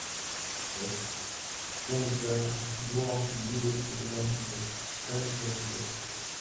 La cuenca Luo-Yi es de gran importancia arqueológica.